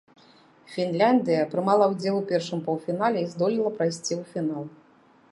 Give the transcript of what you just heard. Фінляндыя прымала ўдзел у першым паўфінале і здолела прайсці ў фінал.